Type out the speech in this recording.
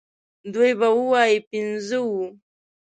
دوی به ووايي پنځه وو.